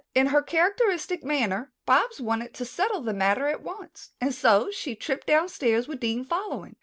In her characteristic manner Bobs wanted to settle the matter at once, and so she tripped downstairs with Dean following.